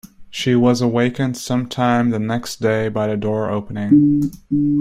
She was awakened some time the next day by the door opening.